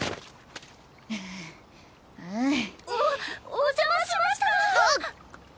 おお邪魔しました！